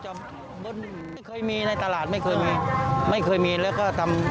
ไม่เคยมีในตลาดไม่เคยมีไม่เคยมีแล้วก็ทำ